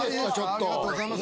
ありがとうございます。